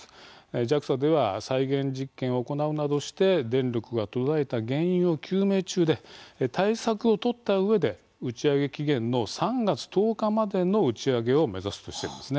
ＪＡＸＡでは再現実験を行うなどして電力が途絶えた原因を究明中で対策を取ったうえで打ち上げ期限の３月１０日までの打ち上げを目指すとしているんですね。